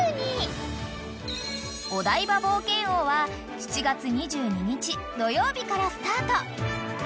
［お台場冒険王は７月２２日土曜日からスタート］